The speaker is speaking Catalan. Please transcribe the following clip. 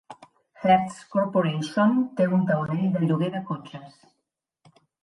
Hertz Corporation té un taulell de lloguer de cotxes.